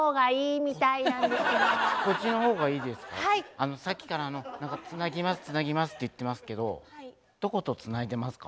あのさっきから「つなぎますつなぎます」って言ってますけどどことつないでますか？